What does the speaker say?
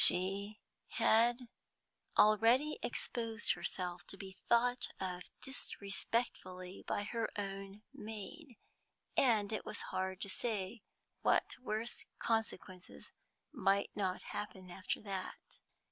She had already exposed herself to be thought of disrespectfully by her own maid, and it was hard to say what worse consequences might not happen after that.